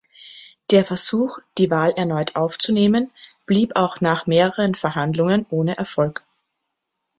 Der Versuch, die Wahl erneut aufzunehmen, blieb auch nach mehreren Verhandlungen ohne Erfolg.